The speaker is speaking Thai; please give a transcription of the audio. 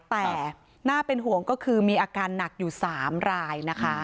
แต่น่าเป็นห่วงก็คือมีอาการหนักอยู่๓รายนะคะ